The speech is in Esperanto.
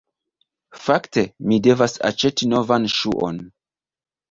Fakte, mi devas aĉeti novan ŝuon